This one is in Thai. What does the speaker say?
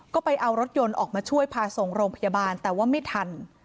ก็ไปเอารถยนต์ออกมาช่วยพาส่งโรงพยาบาลแต่ว่าไม่ทัน